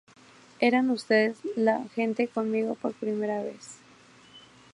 Eran ustedes, la gente conmigo por primera vez.